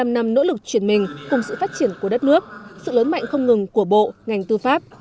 bảy mươi năm năm nỗ lực chuyển mình cùng sự phát triển của đất nước sự lớn mạnh không ngừng của bộ ngành tư pháp